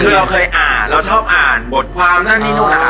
คือเราเคยอ่านเราชอบอ่านบทความนั่นนี่นู่นนะคะ